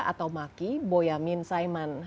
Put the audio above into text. atau maki boyamin saiman